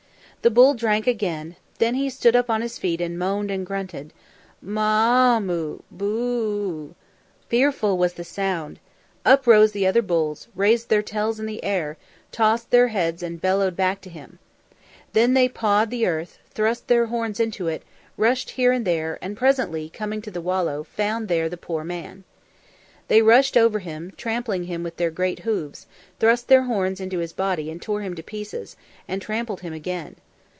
The bull drank again. Then he stood up on his feet and moaned and grunted, "M m ah oo! Bu u u!" Fearful was the sound. Up rose the other bulls, raised their tails in the air, tossed their heads and bellowed back to him. Then they pawed the earth, thrust their horns into it, rushed here and there, and presently, coming to the wallow, found there the poor man. They rushed over him, trampling him with their great hoofs, thrust their horns into his body and tore him to pieces, and trampled him again.